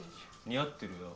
似合ってるよ。